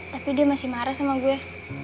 tapi dia masih marah sama gue